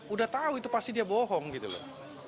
udah tahu itu pasti dia bohong gitu loh